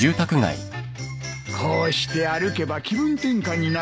こうして歩けば気分転換になっていいだろ？